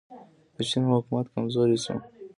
د چین حکومت کمزوری شو.